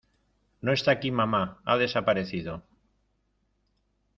No está aquí, mamá. Ha desaparecido .